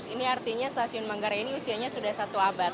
ini artinya stasiun manggarai ini usianya sudah satu abad